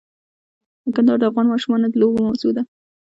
کندهار د افغان ماشومانو د لوبو موضوع ده.